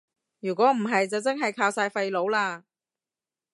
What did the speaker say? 如果唔係就真係靠晒廢老喇